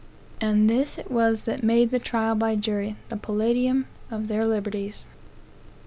And this itwas that made the trial b jury the palladium of their liberties.